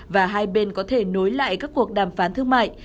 và hai bên có thể nối lại các cuộc đàm phán thương mại